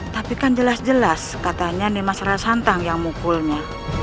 tapi kan jelas jelas katanya nimas rara santang yang mukulnya